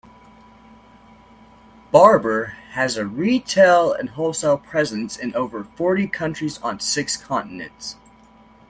Barbour has a retail and wholesale presence in over forty countries on six continents.